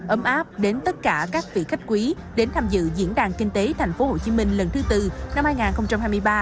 ấm áp đến tất cả các vị khách quý đến tham dự diễn đàn kinh tế tp hcm lần thứ tư năm hai nghìn hai mươi ba